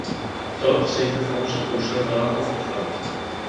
Todt se hizo famosa por usar trabajo forzado.